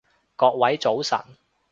各位早晨